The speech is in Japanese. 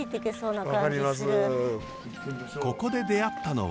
ここで出会ったのは。